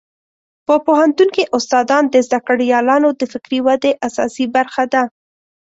په پوهنتون کې استادان د زده کړیالانو د فکري ودې اساسي برخه ده.